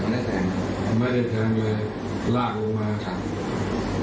บนเตียงบนเตียงไม่ได้แทงไม่ได้แทงเลยลากลงมาครับ